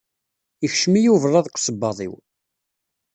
Ikcem-iyi ublaḍ deg usebbaḍ-iw.